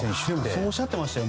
そうおっしゃってましたよ。